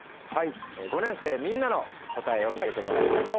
５年生みんなの答えを見せてもらいましょう。